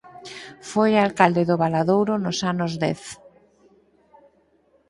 Foi alcalde do Valadouro nos anos dez.